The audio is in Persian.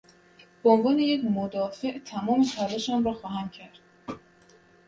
به عنوان یک مدافع، تمام تلاشم را خواهم کرد